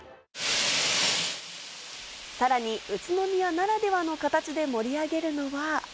さらに、宇都宮ならではの形で盛り上げるのは。